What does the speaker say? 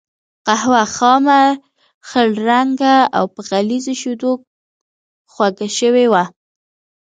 قهوه خامه، خړ رنګه او په غليظو شیدو خوږه شوې وه.